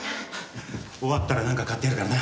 終わったらなんか買ってやるからな。